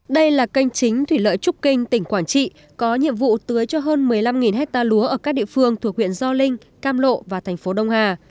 đây là kênh chính thủy lợi trúc kinh tỉnh quảng trị có nhiệm vụ tưới cho hơn một mươi năm hectare lúa ở các địa phương thuộc huyện gio linh cam lộ và thành phố đông hà